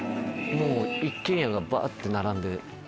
一軒家がばって並んで。